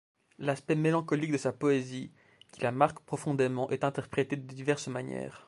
L'aspect mélancolique de sa poésie, qui la marque profondément, est interprétée de diverses manières.